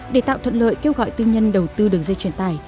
để tạo thuận lợi kêu gọi tư nhân đầu tư đường dây truyền tải